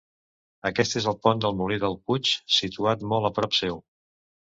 Aquest és el pont del molí del Puig, situat molt a prop seu.